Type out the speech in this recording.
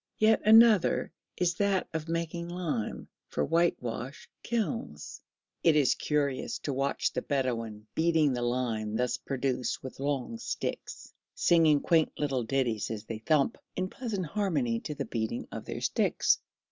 Yet another is that of making lime for whitewash kilns it is curious to watch the Bedouin beating the lime thus produced with long sticks, singing quaint little ditties as they thump, in pleasant harmony to the beating of their sticks.